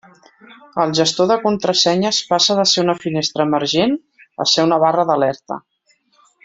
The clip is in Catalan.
El gestor de contrasenyes passa de ser una finestra emergent a ser una barra d'alerta.